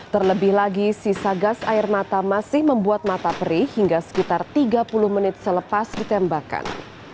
terlebih lagi sisa gas air mata masih membuat mata perih hingga sekitar tiga puluh menit selepas ditembakkan